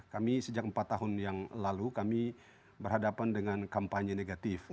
kami sejak empat tahun yang lalu kami berhadapan dengan kampanye negatif